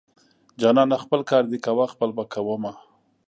جانانه خپل کار دې کوه خپل به کوومه.